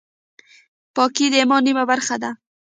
پاکي د ایمان نیمه برخه ده.